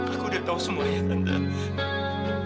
aku udah tahu semua yang ada di dalam diri aku